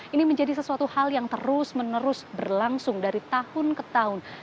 ini menjadi sesuatu hal yang terus menerus berlangsung dari tahun ke tahun